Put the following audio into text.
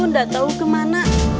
enggak tahu kemana